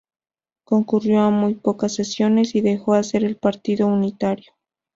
Concurrió a muy pocas sesiones, y dejó hacer al Partido Unitario.